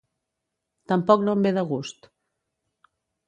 Tampoc no em ve de gust.